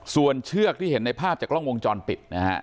ส่วนเชือกที่เห็นในภาพจากกล้องวงจรปิดนะฮะ